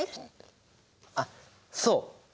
あっそう！